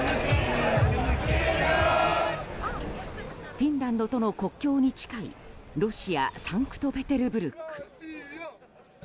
フィンランドとの国境に近いロシア・サンクトペテルブルク。